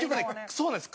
そうなんです。